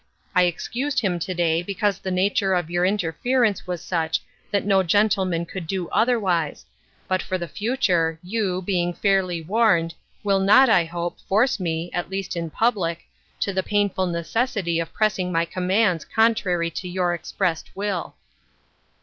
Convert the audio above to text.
I ex cused him to day, because the nature of your interference was such that no gentleman could do Il6 COMING TO AN UNDERSTANDING. otherwise, but for the future, you, being fairly warned, will not, I hope, force me, at least in public, to the painful necessity of pressing my commands contrary to your expressed will."